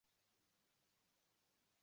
Bu xuddiki supermarketdagi sotuvchi